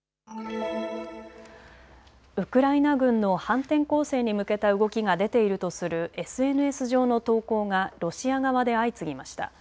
ウクライナ軍の反転攻勢に向けた動きが出ているとするＳＮＳ上の投稿がロシア側で相次ぎました。